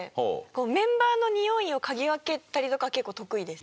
メンバーの匂いを嗅ぎ分けたりとかは結構得意です。